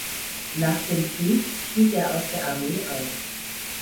Nach dem Krieg schied er aus der Armee aus.